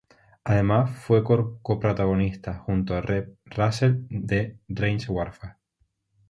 Además fue coprotagonista, junto a Reb Russell de "Range Warfare".